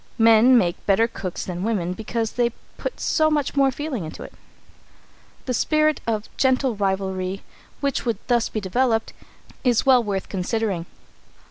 Men make better cooks than women because they put so much more feeling into it. The spirit of gentle rivalry, which would thus be developed, is well worth considering.